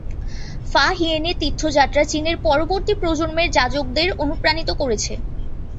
ফা-হিয়েনের তীর্থযাত্রা চীনের পরবর্তী প্রজন্মের যাজকদের অনুপ্রাণিত করেছে।